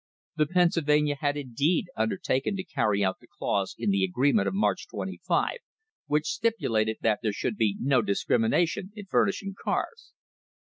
The Pennsyl vania had indeed undertaken to carry out the clause in the agreement of March 25 which stipulated that there should be no discrimination in furnishing cars.